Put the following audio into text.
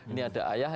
ini ada ayah